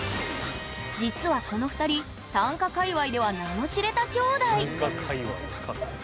実はこの２人短歌界わいでは名の知れた姉弟！